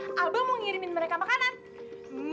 apa abang mau ngirimin mereka makanan